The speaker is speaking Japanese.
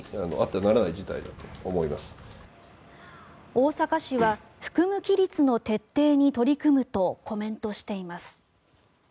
大阪市は服務規律の徹底に取り組むとコメントしています。